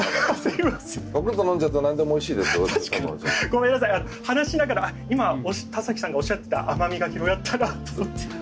ごめんなさい話しながら今田崎さんがおっしゃってた甘みが広がったなと思って。